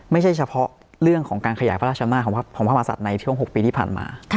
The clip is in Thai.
ไม่ใช่เฉพาะเรื่องของการขยายพระราชนาของพระภาษาในช่วง๖ปีที่ผ่านมา